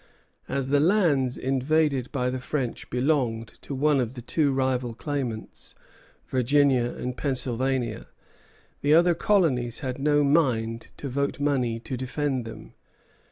As the lands invaded by the French belonged to one of the two rival claimants, Virginia and Pennsylvania, the other colonies had no mind to vote money to defend them.